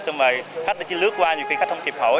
xong rồi khách lại chỉ lướt qua nhiều khi khách không kịp hỏi